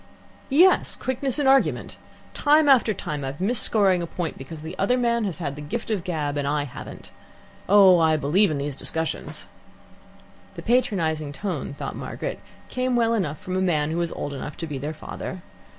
"Yes. Quickness in argument. Time after time I've missed scoring a point because the other man has had the gift of the gab and I haven't. Oh, I believe in these discussions." The patronizing tone thought Margaret, came well enough from a man who was old enough to be their father.